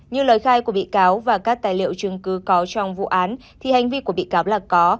như lời khai của bị cáo và các tài liệu chứng cứ có trong vụ án thì hành vi của bị cáo là có